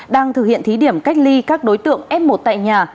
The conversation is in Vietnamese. đang thực hiện thí điểm cách ly các đối tượng f một tại nhà